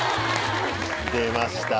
出ました